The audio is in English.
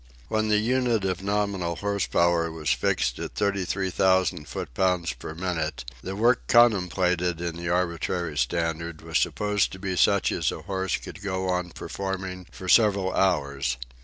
When the unit of nominal horse power was fixed at 33,000 foot pounds per minute the work contemplated in the arbitrary standard was supposed to be such as a horse could go on performing for several hours.